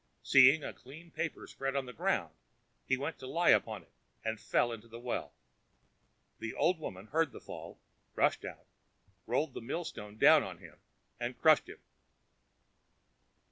Seeing a clean paper spread on the ground, he went to lie upon it, and fell into the well. The old woman heard the fall, rushed out, rolled the mill stone down on him, and crushed him.